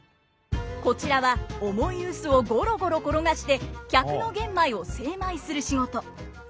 こちらは重い臼をゴロゴロ転がして客の玄米を精米する仕事。